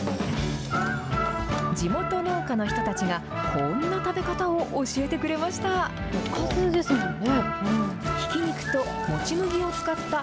地元農家の人たちが、こんな食べ方を教えてくれました。